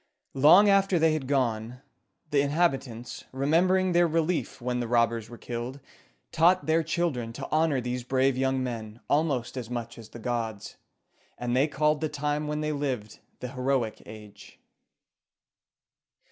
Long after they had gone, the inhabitants, remembering their relief when the robbers were killed, taught their children to honor these brave young men almost as much as the gods, and they called the time when they lived the Heroic Age.